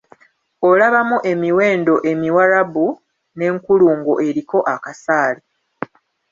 Olabamu emiwendo Emiwarabu n'enkulungo eriko akasaale.